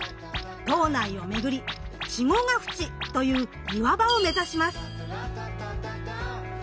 島内を巡り「稚児ヶ淵」という岩場を目指します。